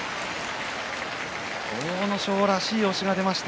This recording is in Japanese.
阿武咲らしい押しが出ました。